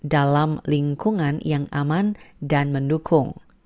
dalam lingkungan yang aman dan mendukung